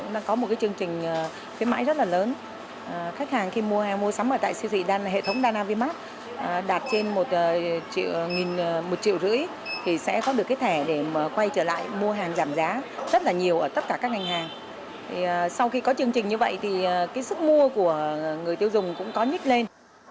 sau khi có chương trình như vậy thì cái sức mua của người tiêu dùng cũng có nhít lên